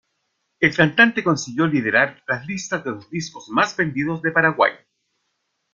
El cantante consiguió liderar las listas de los discos más vendidos de Paraguay.